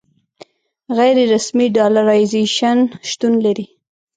غیر رسمي ډالرایزیشن شتون لري.